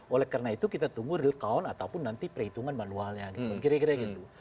oleh karena itu kita tunggu rilkaun ataupun nanti perhitungan manualnya gitu